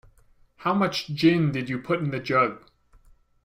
How much gin did you put in the jug?